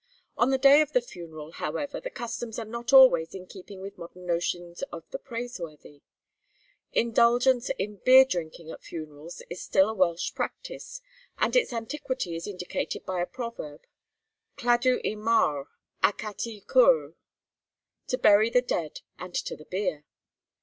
On the day of the funeral, however, the customs are not always in keeping with modern notions of the praiseworthy. Indulgence in beer drinking at funerals is still a Welsh practice, and its antiquity is indicated by a proverb: 'Claddu y marw, ac at y cwrw' (To bury the dead, and to the beer.)